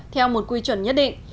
theo một quy chuẩn nhất định